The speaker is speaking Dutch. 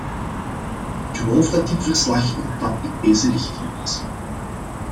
Ik geloof dat dit verslag een stap in deze richting is.